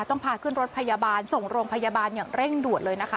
พาขึ้นรถพยาบาลส่งโรงพยาบาลอย่างเร่งด่วนเลยนะคะ